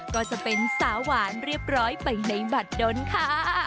ก็จะเป็นสาวหวานเรียบร้อยไปในบัตรดนค่ะ